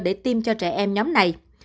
để tiêm cho trẻ em nhóm này